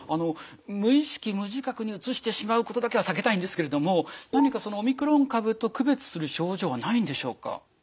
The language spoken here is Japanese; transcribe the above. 無意識無自覚にうつしてしまうことだけは避けたいんですけれども何かオミクロン株と区別する症状はないんでしょうか？